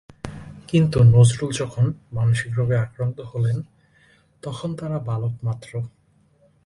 কিন্তু নজরুল যখন মানসিক রোগে আক্রান্ত হলেন, তখন তাঁরা বালক মাত্র।